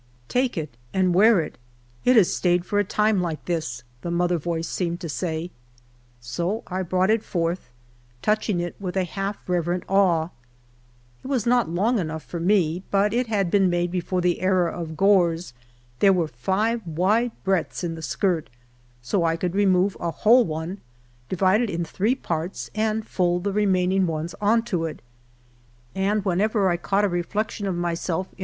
" Take it and wear it ; it has stayed for a time like this," the mother voice seemed to say. So I brought it forth, touching it with a half reverent awe It was not long enough for me, but it had been made before the era of gores ; thei'e were five wide breadths in the skirt ; so I could remove a whole one, divide it in three parts, and full the remaining ones on to it; and whenever I caught a reflection of myself 14 HALF A DIME A DAY*.